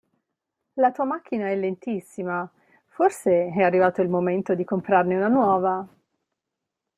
La tua macchina è lentissima, forse è arrivato il momento di comprarne una nuova.